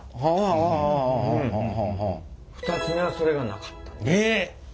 ２つ目はそれがなかった。